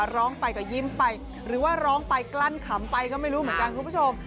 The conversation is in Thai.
ร้องไปก็ยิ้มไปหรือว่าร้องไปกลั้นขำไปก็ไม่รู้เหมือนกันคุณผู้ชม